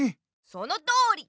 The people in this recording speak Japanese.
そのとおり！